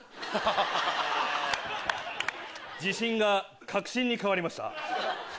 自信が確信に変わりました。